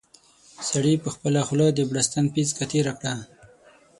سړي په خپله خوله د بړستن پېڅکه تېره کړه.